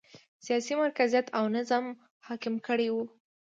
سیاسي مرکزیت او نظم حاکم کړی و.